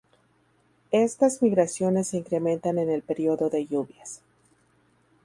Estas migraciones se incrementan en el periodo de lluvias.